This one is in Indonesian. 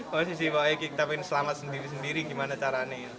posisi kita selamat sendiri sendiri gimana caranya